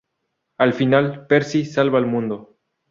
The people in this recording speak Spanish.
Al final, Percy salva al mundo.